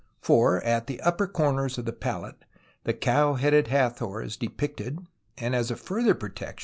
For at the upper corners of the palette the cow headed Hathor is depicted and as a further protection the ^^^Slf Fig.